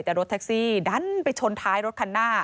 แต่รถแท็กซี่ดันไปชนท้ายรถคันหน้า